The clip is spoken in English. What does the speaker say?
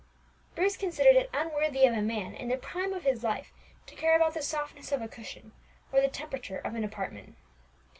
Bruce considered it unworthy of a man in the prime of his life to care about the softness of a cushion, or the temperature of an apartment.